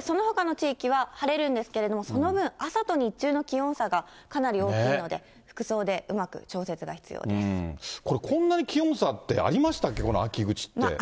そのほかの地域は晴れるんですけれども、その分、朝と日中の気温差がかなり大きいので、これ、こんなに気温差ってありましたっけ、この秋口って。